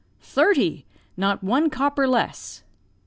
"'Thirty; not one copper less!'